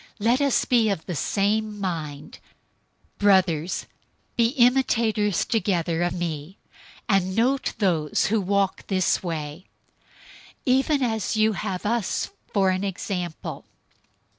Let us be of the same mind. 003:017 Brothers, be imitators together of me, and note those who walk this way, even as you have us for an example.